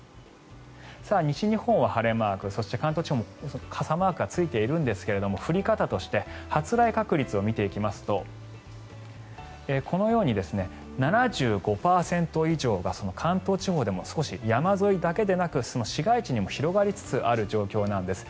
西日本は晴れマーク関東地方も傘マークがついているんですが降り方として発雷確率を見ていきますとこのように７５％以上が関東地方でも少し山沿いだけでなく市街地にも広がりつつある状況なんです。